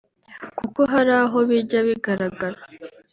kuko hari aho bijya bigaragara